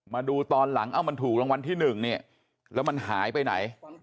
มาดูตอนหลังเอ้ามันถูกรางวัลที่๑เนี่ยแล้วมันหายไปไหน